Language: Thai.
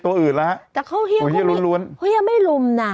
แต่เขาเฮียไม่รุมนะ